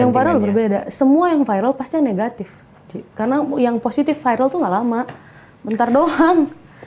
yang viral berbeda semua yang viral pasti negatif karena yang positif viral tuh gak lama bentar doang